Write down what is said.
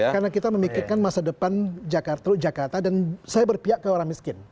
karena kita memikirkan masa depan jakarta dan saya berpihak kepada orang miskin